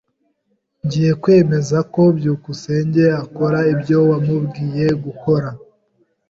[S] Ngiye kwemeza ko byukusenge akora ibyo wamubwiye gukora.